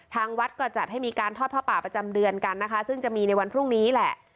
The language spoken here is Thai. ทางวัดก็จัดให้มีการทอดผ้าป่าประจำเดือนกันนะคะซึ่งจะมีในวันพรุ่งนี้แหละ